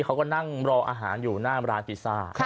เขาก็นั่งรออาหารอยู่หน้าร้านพิซซ่า